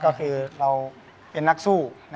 ก็คือเราเป็นนักสู้